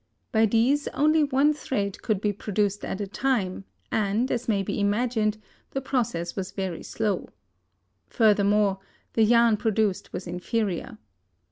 By these only one thread could be produced at a time and, as may be imagined, the process was very slow. Furthermore, the yarn produced was inferior.